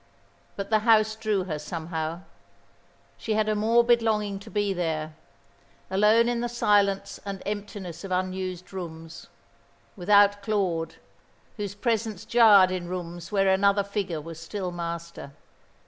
But the house drew her somehow. She had a morbid longing to be there, alone in the silence and emptiness of unused rooms, without Claude, whose presence jarred in rooms where another figure was still master.